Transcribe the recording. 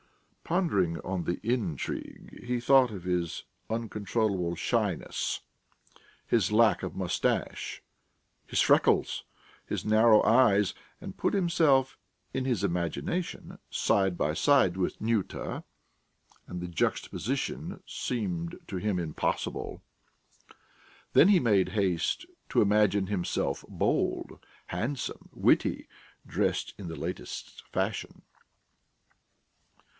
Pondering on the "intrigue," he thought of his uncontrollable shyness, his lack of moustache, his freckles, his narrow eyes, and put himself in his imagination side by side with Nyuta, and the juxtaposition seemed to him impossible; then he made haste to imagine himself bold, handsome, witty, dressed in the latest fashion.